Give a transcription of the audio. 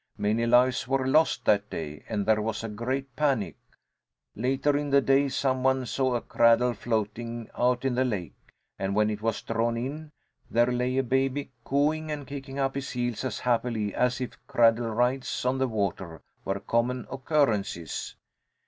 Many lives were lost that day, and there was a great panic. Later in the day, some one saw a cradle floating out in the lake, and when it was drawn in, there lay a baby, cooing and kicking up his heels as happily as if cradle rides on the water were common occurrences.